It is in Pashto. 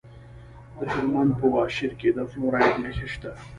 د هلمند په واشیر کې د فلورایټ نښې شته.